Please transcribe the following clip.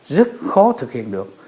rất khó thực hiện được